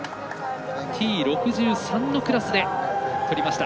Ｔ６３のクラスで取りました。